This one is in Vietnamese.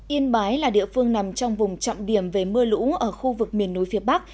yên bái là địa phương nằm trong vùng trọng điểm về mưa lũ ở khu vực miền núi phía bắc